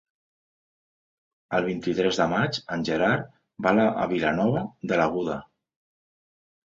El vint-i-tres de maig en Gerard va a Vilanova de l'Aguda.